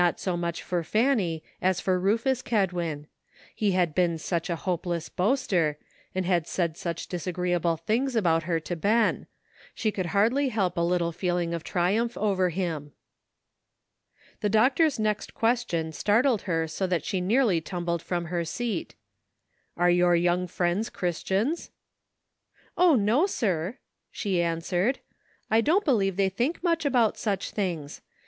Not 80 much for Fanny as for Rufus Kedwin ; he had been such a hopeless boaster, and had said such disagreeable things about her to Ben ; she could hardly help a little feeling of triumph over him. The doctor's next question startled her so that she nearly tumbled from her seat. *' Are your young friends Christians?" " O, no, sir!" she answered; "I don't be lieve they think much about such things.